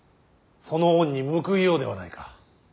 その恩に報いようではないか。